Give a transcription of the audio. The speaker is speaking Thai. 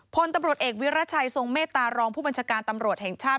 พลตำรวจเอกวิรัชัยทรงเมตตารองผู้บัญชาการตำรวจแห่งชาติ